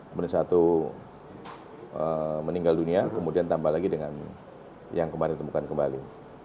kemudian satu meninggal dunia kemudian tambah lagi dengan yang kemarin ditemukan kembali